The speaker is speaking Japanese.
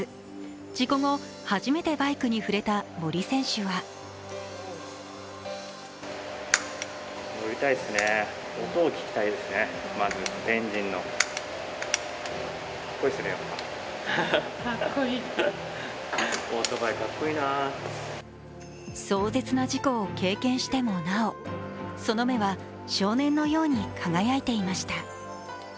事故後初めてバイクに触れた森選手は壮絶な事故を経験してもなおその目は少年のように輝いていました。